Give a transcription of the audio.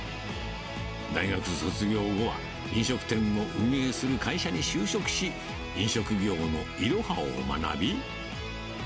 大学卒業後は、飲食店を運営する会社に就職し、飲食業のいろはを学び。